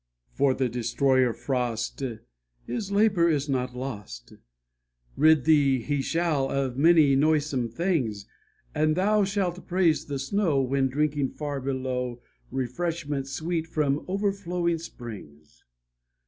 "For the destroyer frost, His labor is not lost, Rid thee he shall of many noisome things; And thou shalt praise the snow When drinking far below Refreshment sweet from overflowing springs.